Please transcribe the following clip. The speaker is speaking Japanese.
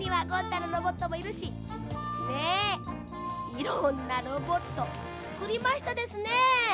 いろんなロボットつくりましたですね。